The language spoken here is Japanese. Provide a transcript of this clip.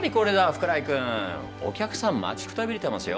福来君お客さん待ちくたびれてますよ。